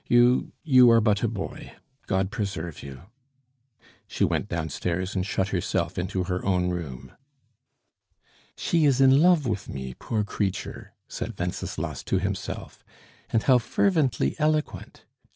"You you are but a boy. God preserve you!" She went downstairs and shut herself into her own room. "She is in love with me, poor creature!" said Wenceslas to himself. "And how fervently eloquent!